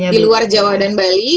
di luar jawa dan bali